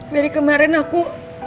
dari kemarin aku